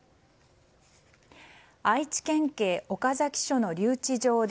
愛知県警岡崎署の留置場で